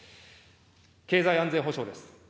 経済安全保障です。